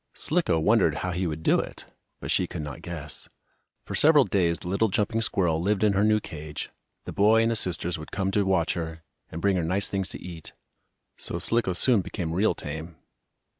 Slicko wondered how he would do it, but she could not guess. For several days the little jumping squirrel lived in her new cage. The boy and his sisters would come to watch her, and bring her nice things to eat, so Slicko soon became real tame.